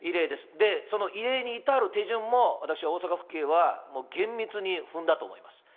その異例に至る手順も、私は大阪府警は厳密に踏んだと思います。